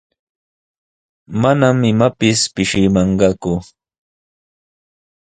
Mana imapis pishimanqaku.